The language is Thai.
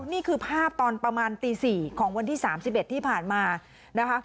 นี่คือภาพตอนประมาณตี๔ของวันที่๓๑ที่ผ่านมานะคะ